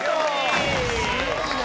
すごいな。